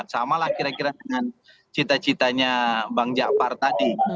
sama lah kira kira dengan cita citanya bang jaafar tadi